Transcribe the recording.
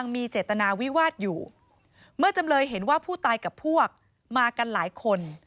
เมื่อจำเลยเห็นว่าผู้ตายกับพวกมากันหลายคน